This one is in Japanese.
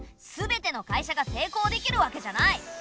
全ての会社が成功できるわけじゃない。